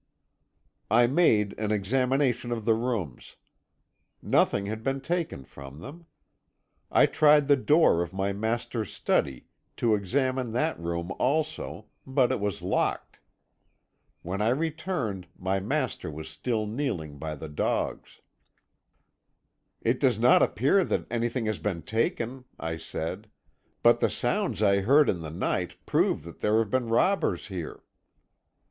"I made an examination of the rooms. Nothing had been taken from them. I tried the door of my master's study to examine that room also, but it was locked. When I returned my master was still kneeling by the dogs. "'It does not appear that anything has been taken,' I said, 'but the sounds I heard in the night prove that there have been robbers here.'